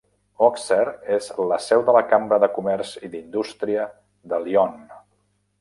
Auxerre és la seu de la Cambra de comerç i d'indústria de l'Yonne.